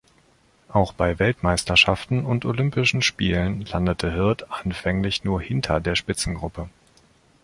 Auch bei Weltmeisterschaften und Olympischen Spielen landete Hirt anfänglich nur hinter der Spitzengruppe.